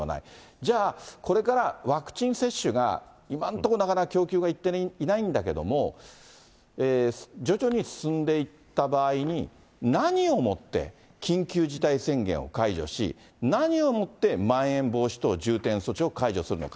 じゃあ、これからワクチン接種が、今のところなかなか供給がいってないんだけれども、徐々に進んでいった場合に、何をもって緊急事態宣言を解除し、何をもって、まん延防止等重点措置を解除するのか。